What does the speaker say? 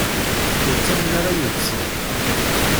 Ur ttamen aman yeṭṭsen.